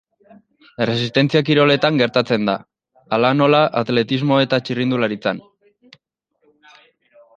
Erresistentzia-kiroletan gertatzen da, hala nola atletismo eta txirrindularitzan.